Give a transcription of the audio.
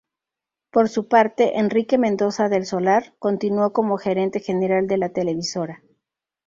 Por su parte, Enrique Mendoza del Solar, continuó como gerente general de la televisora.